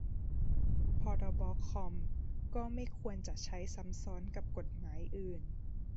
พรบคอมพ์ ก็ไม่ควรจะใช้ซ้ำซ้อนกับกฎหมายอื่น